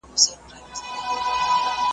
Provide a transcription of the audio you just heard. هر نفس دی لکه عطر د سره گل په شان لگېږی .